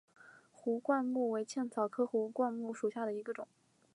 壶冠木为茜草科壶冠木属下的一个种。